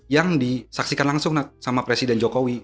yang disaksikan langsung sama presiden jokowi